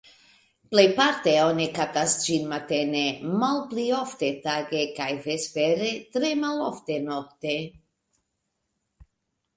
Plejparte oni kaptas ĝin matene, malpli ofte tage kaj vespere, tre malofte nokte.